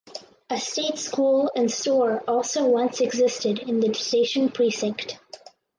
A state school and store also once existed in the station precinct.